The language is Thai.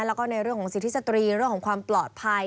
แล้วก็ในเรื่องของสิทธิสตรีเรื่องของความปลอดภัย